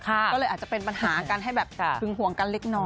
ก็เลยอาจจะเป็นปัญหากันให้แบบหึงห่วงกันเล็กน้อย